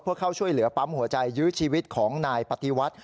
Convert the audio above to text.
เพื่อเข้าช่วยเหลือปั๊มหัวใจยื้อชีวิตของนายปฏิวัติ